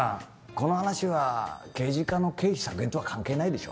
この話は刑事課の経費削減とは関係ないでしょ？